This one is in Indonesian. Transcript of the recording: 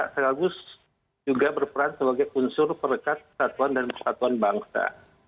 sekaligus juga berperan sebagai unsur perekat kesatuan dan persatuan bangsa